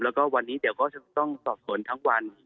แล้วก็วันนี้เดี๋ยวก็จะต้องสอบสวนทั้งวัน